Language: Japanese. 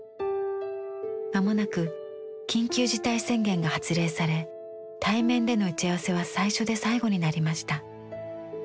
間もなく緊急事態宣言が発令され対面での打ち合わせは最初で最後になりました。